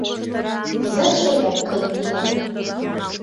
Изак-шоляк гай илат.